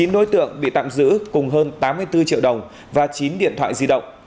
chín đối tượng bị tạm giữ cùng hơn tám mươi bốn triệu đồng và chín điện thoại di động